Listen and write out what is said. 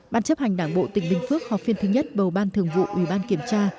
ban chấp hành đảng bộ tỉnh bình phước họp phiên thứ nhất bầu ban thường vụ ủy ban kiểm tra